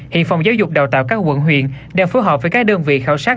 hiện phòng giáo dục đào tạo các quận huyện đang phối hợp với các đơn vị khảo sát